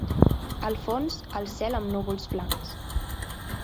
Al fons, el cel amb núvols blancs.